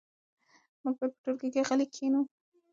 موږ باید په ټولګي کې غلي کښېنو.